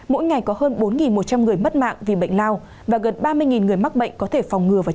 mỗi ngày có hơn bốn một trăm linh người mất mạng vì bệnh lao và gần ba mươi người mắc bệnh có thể phòng ngừa và